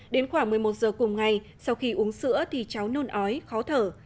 đến khoảng một mươi một giờ cùng ngày sau khi uống sữa thì cháu nôn ói khó thở